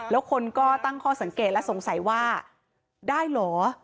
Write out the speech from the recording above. แล้วคนก็ตั้งข้อสังเกตและสงสัยว่าได้เหรอ